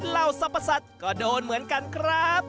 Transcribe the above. เหล่าสรรพสัตว์ก็โดนเหมือนกันครับ